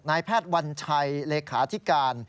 นายแพทย์วัญชัยเลขาธิการ